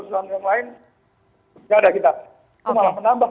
cuma menambah kasus yang ada